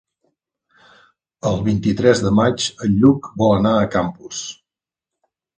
El vint-i-tres de maig en Lluc vol anar a Campos.